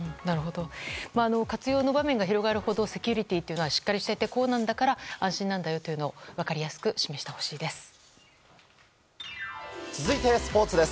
活用の場面が広がるほどセキュリティーっていうのはしっかりしていてこうなんだから安心なんだよと分かりやすく示してほしいです。